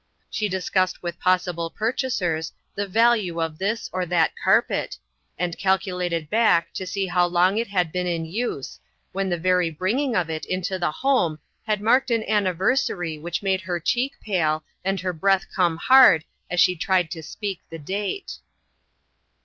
She discussed with possible purchasers the value of this or that carpet, and calculated back to see how long it had been in use, when the very bringing of it into the home had marked an anniversary which made her cheek pale and her breath come hard as she tried to speak the date.